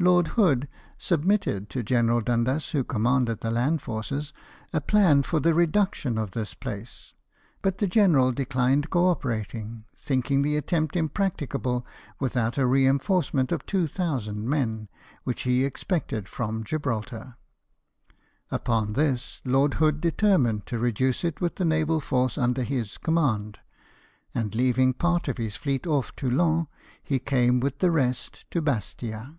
Lord Hood submitted to General Dundas, who commanded the land forces, a plan for the reduction of this place ; the general de clined co operating, thinking the attempt impractic able without a reinforcement of 2,000 men, which he expected from Gibraltar. Upon this Lord Hood determined to reduce it with the naval force under his command ; and leaving part of his fleet off Toulon, he came with the rest to Bastia.